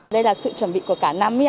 đây là sự chuẩn bị của cả năm